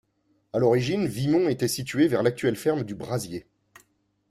À l’origine, Vimont était située vers l'actuelle ferme du Brasier.